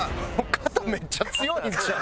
肩めっちゃ強いんちゃう？